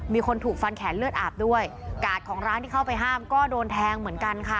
มีคนถูกฟันแขนเลือดอาบด้วยกาดของร้านที่เข้าไปห้ามก็โดนแทงเหมือนกันค่ะ